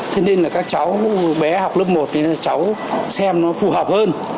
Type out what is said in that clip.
thế nên là các cháu bé học lớp một nên cháu xem nó phù hợp hơn